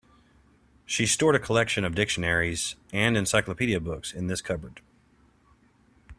She stored a collection of dictionaries and encyclopedia books in this cupboard.